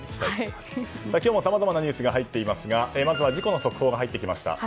今日もさまざまなニュースが入ってきていますがまずは事故の速報が入ってきました。